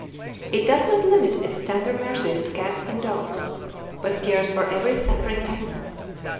It does not limit its tender mercies to cats and dogs, but cares for every suffering animal.